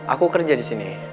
aku kerja di sini